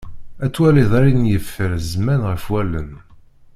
Ad twaliḍ ayen yeffer zzman ɣef wallen.